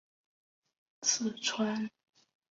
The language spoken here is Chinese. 四川蜡瓣花为金缕梅科蜡瓣花属下的一个种。